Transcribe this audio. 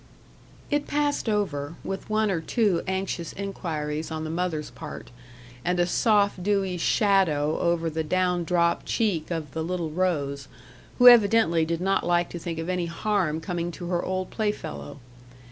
It passed over, with one or two anxious inquiries on the mother's part, and a soft, dewy shadow over the down dropped cheek of the little rose, who evidently did not like to think of any harm coming to her old play fellow.